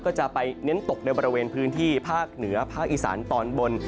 ก็จะไปเน้นตกในบริเวณพื้นที่ภาคเหนือภาคอีสานตอนบน